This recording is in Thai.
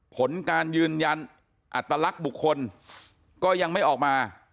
ผลการยืนยันอัตลักษณ์บุคคลก็ยังไม่ออกมา